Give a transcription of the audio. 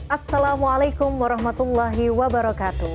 assalamualaikum warahmatullahi wabarakatuh